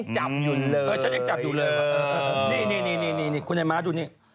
ฉันยังจับอยู่เลย